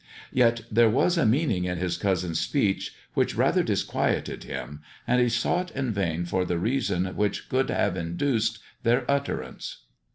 Yet there was a meaning in his cousin's speech, which rather disquieted him, and he sought in vain for the reason which could have induced their utterance.